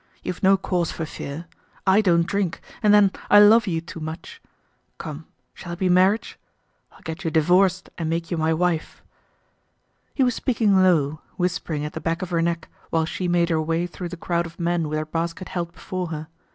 You've no cause for fear. I don't drink and then I love you too much. Come, shall it be marriage? I'll get you divorced and make you my wife." He was speaking low, whispering at the back of her neck while she made her way through the crowd of men with her basket held before her.